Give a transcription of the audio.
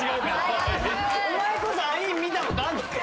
お前こそアイン見たことあんのか？